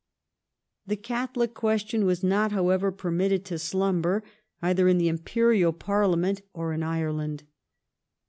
The Catholic cjuestion was not, however, permitted to slumber either in the Imperial Parliament or in Ireland.